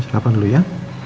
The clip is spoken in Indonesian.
sarapan dulu ya